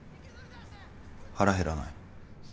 腹減らない？